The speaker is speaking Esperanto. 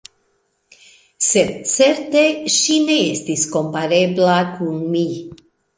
Sed certe, ŝi ne estis komparebla kun mi.